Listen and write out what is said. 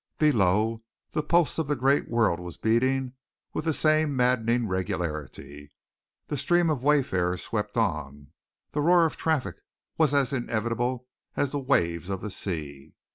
Below, the pulse of the great world was beating with the same maddening regularity. The stream of wayfarers swept on, the roar of traffic was as inevitable as the waves of the sea.